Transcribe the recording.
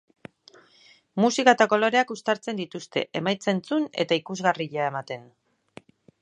Musika eta koloreak uztartzen dituzte, emaitza entzun eta ikusgarria ematen.